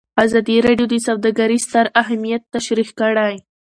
ازادي راډیو د سوداګري ستر اهميت تشریح کړی.